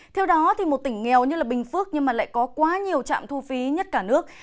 theo đó thì một tỉnh nghèo như bình phước nhưng lại có quá nhiều trạm thu phí nhất cả nước